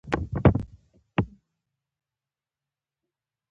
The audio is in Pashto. د رګ کلی د کندهار ولایت، رګ ولسوالي په جنوب ختیځ کې پروت دی.